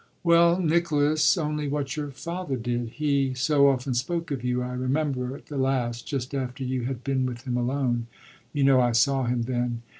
"Well, Nicholas, only what your father did. He so often spoke of you, I remember, at the last, just after you had been with him alone you know I saw him then.